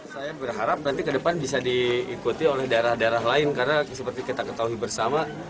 saya berharap nanti ke depan bisa diikuti oleh daerah daerah lain karena seperti kita ketahui bersama